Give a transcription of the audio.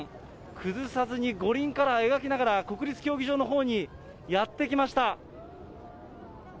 崩さずに五輪カラー描きながら、国立競技場のほうにやって来ました。